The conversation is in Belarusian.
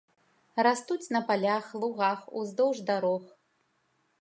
Растуць на палях, лугах, уздоўж дарог.